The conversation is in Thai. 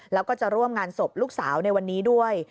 แล้วก็จะร่วมงานศพลูกสาวในวันนี้ด้วย